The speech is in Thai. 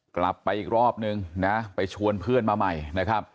กลับไปอีกรอบนึงนะไปชวนเพื่อนมาใหม่นะครับ